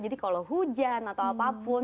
jadi kalau hujan atau apapun